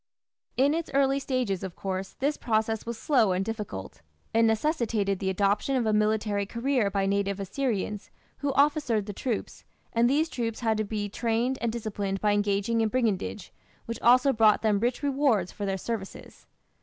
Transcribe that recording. In its early stages, of course, this process was slow and difficult. It necessitated the adoption of a military career by native Assyrians, who officered the troops, and these troops had to be trained and disciplined by engaging in brigandage, which also brought them rich rewards for their services.